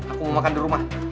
aku mau makan di rumah